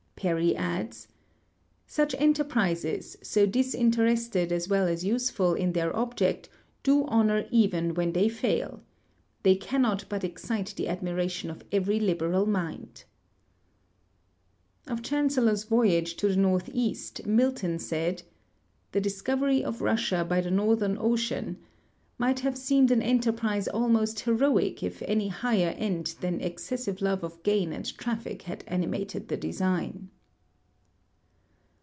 Parry adds :" Such enterprises, so disinterested as well as useful in their object, do honor even when they fail. They cannot but excite the admiration of every liberal mind." Of Chancellor's voyage to the northeast Milton said :" The discovery of Russia by the northern ocean ... might have seemed an enterprise almost heroic if any higher end than exces sive love of gain and traffic had animated the design."